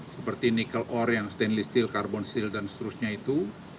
seperti nikel ore yang stainless steel carbon steel dan seterusnya itu